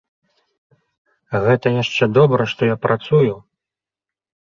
Гэта яшчэ добра, што я працую.